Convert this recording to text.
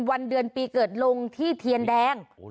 วันเดือนปีเกิดลงที่เทียนแดง